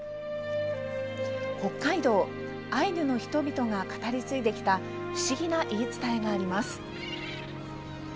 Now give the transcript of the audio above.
北海道、アイヌの人々が語り継いできた不思議な言い伝えがあります。